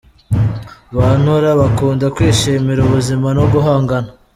Ba Nora bakunda kwishimira ubuzima no guhangana